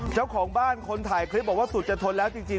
เจ้าของบ้านคนถ่ายคลิปบอกว่าสุดจะทนแล้วจริง